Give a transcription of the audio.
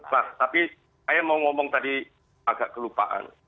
nah tapi saya mau ngomong tadi agak kelupaan